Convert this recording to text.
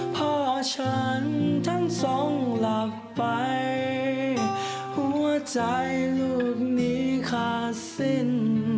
พ่อฉันทั้งสองหลับไปหัวใจลูกนี้ขาดสิ้น